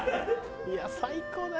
いや最高だよ。